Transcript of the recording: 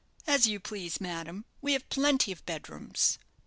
"As you please, madam we have plenty of bedrooms."